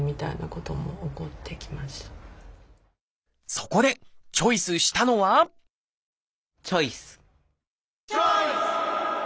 そこでチョイスしたのはチョイス！